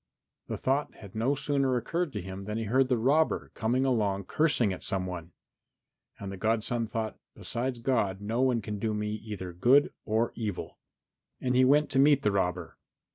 The thought had no sooner occurred to him than he heard the robber come along cursing at some one. And the godson thought, "Besides God no one can do me either good or evil." And he went to meet the robber.